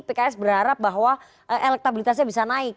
pks berharap bahwa elektabilitasnya bisa naik